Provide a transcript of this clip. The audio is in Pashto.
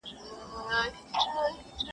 زوی له ډېره کیبره و ویله پلار ته,